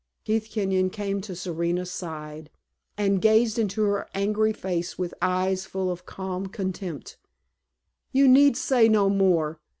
Keith Kenyon came to Serena's side and gazed into her angry face with eyes full of calm contempt. "You need say no more.